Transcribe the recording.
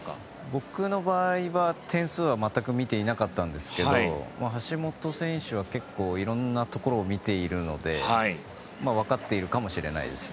僕の場合は、点数は全く見ていなかったんですけど橋本選手は結構色んなところを見ているのでわかっているかもしれないです。